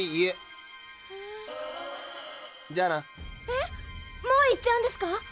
えっもう行っちゃうんですか？